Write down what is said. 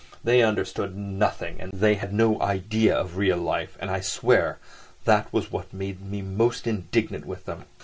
They understood nothing, they had no idea of real life, and I swear that that was what made me most indignant with them.